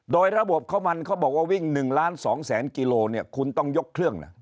โดยระบบข้าวมันเขาบอกว่าวิ่ง๑ล้าน๒แสนกิโลเนี่ยคุณต้องยกเครื่องนะ